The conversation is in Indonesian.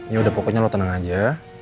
ya udah pokoknya lo tenang aja